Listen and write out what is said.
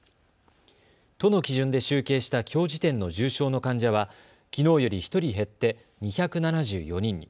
都の基準で集計したきょう時点の重症の患者はきのうより１人減って２７４人に。